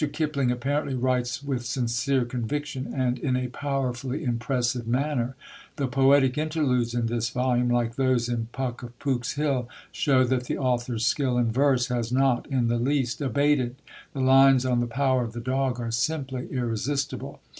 Kipling apparently writes with sincere conviction, and in a powerfully impressive manner. The poetic interludes in this volume, like those in Puck of Pook's Hill, show that the author's skill in verse has not in the least abated; the lines on The Power of the Dog are simply irresistible.